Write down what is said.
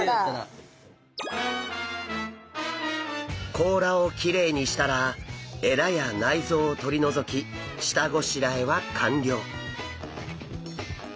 甲羅をきれいにしたらえらや内臓を取り除き下ごしらえは完了。